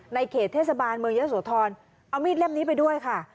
เขตเทศบาลเมืองเยอะโสธรเอามีดเล่มนี้ไปด้วยค่ะ